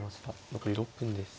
残り６分です。